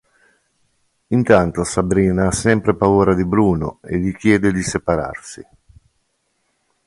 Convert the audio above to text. Intanto Sabrina ha sempre paura di Bruno e gli chiede di separarsi.